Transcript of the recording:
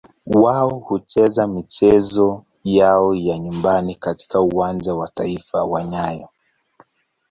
Wao hucheza michezo yao ya nyumbani katika Uwanja wa Taifa wa nyayo.